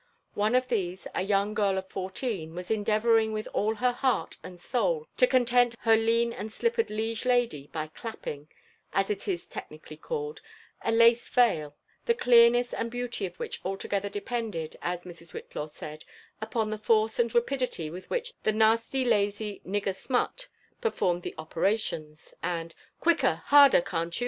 One of these, a young girl of fourteen, was endeavour ing with ail her heart and soufl to content her lean and elippered liege lady by cl&pping, as it is technically called, a lace veil, the clearness Md beauty of which altogether depended, as Mrs. Whitlaw said, upon Ike force and rapidity with whioh '' the nasty, lazy, nigger smut" per lormed the operation; and Quicker, harder, can't you?